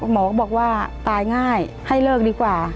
หมอก็บอกว่าตายง่ายให้เลิกดีกว่า